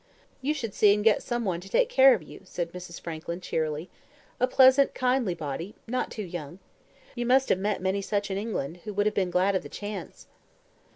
"You should see and get some one to take care of you," said Mrs. Frankland, cheerily; "a pleasant, kindly body not too young. You must have met many such in England, who would have been glad of the chance."